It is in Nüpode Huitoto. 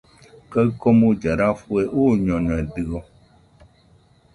Kaɨ komuilla rafue uñoñedɨo